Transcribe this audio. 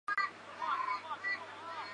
他还在路上，应该要五点钟才能到家。